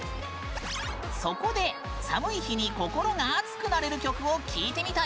そこで、寒い日に心が熱くなれる曲を聞いてみたよ。